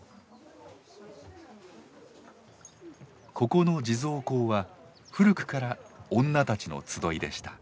ここの地蔵講は古くから女たちの集いでした。